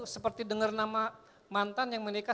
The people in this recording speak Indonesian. seperti dengar nama mantan yang menikah